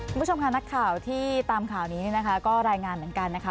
คุณผู้ชมค่ะนักข่าวที่ตามข่าวนี้นะคะก็รายงานเหมือนกันนะคะ